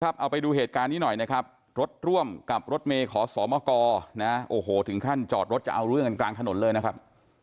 เอาไปดูเหตุการณ์นี้หน่อยนะครับรถร่วมกับรถเมย์ขอสมกรนะโอ้โหถึงขั้นจอดรถจะเอาเรื่องกันกลางถนนเลยนะครับ